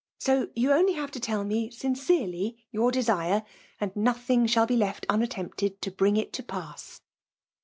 So you have only to lett me sitt^ cerdy your desive, and nothing shail • be left unaitempted to bring it to pass."